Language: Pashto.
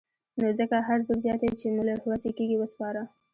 نو ځکه هر زور زياتی چې مو له وسې کېږي وسپاره.